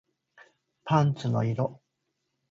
パンツの色